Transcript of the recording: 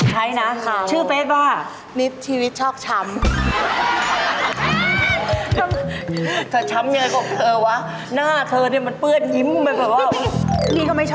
พี่คุ้งก็คือคนที่ไปตามสองเฟซเค้าเนอะ